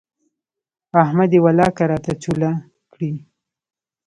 احمد يې ولاکه راته چوله کړي.